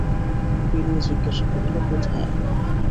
বিনয় জিজ্ঞাসা করিল, কোথায়?